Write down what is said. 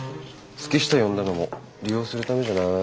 月下呼んだのも利用するためじゃない？